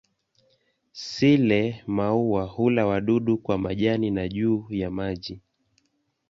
Sile-maua hula wadudu kwa majani na juu ya maji.